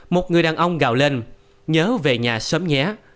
một người đàn ông gào lên nhớ về nhà sớm nhé